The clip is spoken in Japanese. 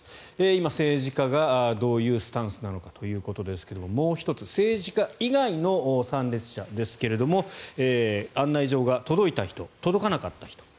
今、政治家がどういうスタンスなのかということですがもう１つ政治か以外の参列者ですが案内状が届いた人、届かなかった人。